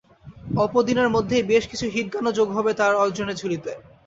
অল্প দিনের মধ্যেই বেশ কিছু হিট গানও যোগ হবে তাঁর অর্জনের ঝুলিতে।